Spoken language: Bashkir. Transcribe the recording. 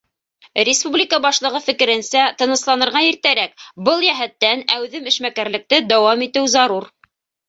Республика башлығы фекеренсә, тынысланырға иртәрәк, был йәһәттән әүҙем эшмәкәрлекте дауам итеү зарур.